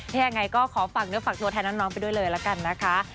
ถ้ายังไงก็ขอฝากเนื้อฝากตัวแทนน้องไปด้วยเลยละกันนะคะ